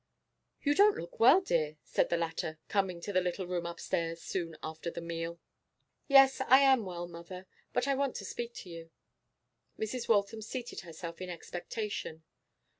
'You don't look well, dear?' said the latter, coming to the little room upstairs soon after the meal. 'Yes, I am well, mother. But I want to speak to you.' Mrs. Waltham seated herself in expectation.